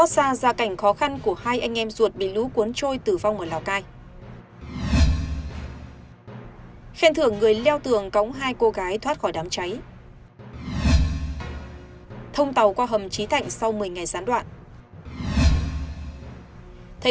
các bạn hãy đăng ký kênh để ủng hộ kênh của chúng mình nhé